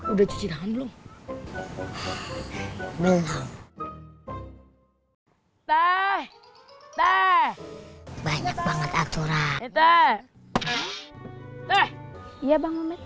udah cuci tangan belum belum teh teh banyak banget aturan teh teh iya bang